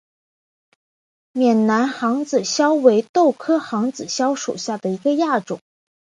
缅南杭子梢为豆科杭子梢属下的一个亚种。